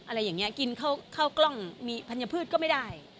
อะไรอย่างนี้กินข้าวกล้องมีธัญพืชก็ไม่ได้